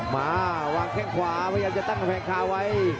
มาวางแข้งขวาพยายามจะตั้งกำแพงคาไว้